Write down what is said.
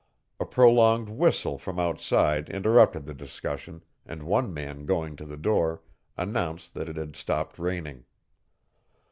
A prolonged whistle from outside interrupted the discussion, and one man going to the door announced that it had stopped raining.